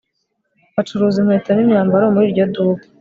Bacuruza inkweto nimyambaro muri iryo duka